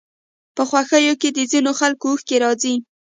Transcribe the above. په خوښيو کې د ځينو خلکو اوښکې راځي.